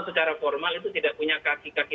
secara formal itu tidak punya kaki kaki